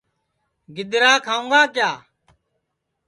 گِدرا کھاؤں گا کِیا